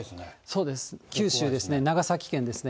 そうです、九州ですね、長崎県ですね。